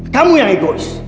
kamu yang egois